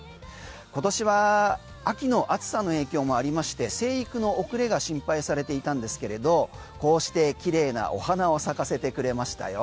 今年は秋の暑さの影響もありまして生育の遅れが心配されていたんですけれどこうして綺麗なお花を咲かせてくれましたよ。